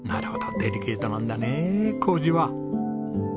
デリケートなんだね糀は。